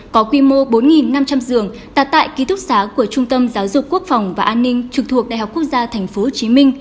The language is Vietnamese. có quy mô bốn năm trăm linh giường tạp tại ký thúc xá của trung tâm giáo dục quốc phòng và an ninh trực thuộc đhq tp hcm